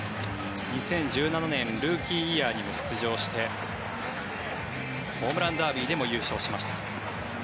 ２０１７年ルーキーイヤーにも出場してホームランダービーでも優勝しました。